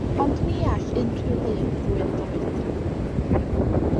Ond ni all unrhyw ddyn ddwyn fy oedran.